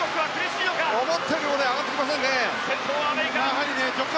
思ったより上がってきませんね。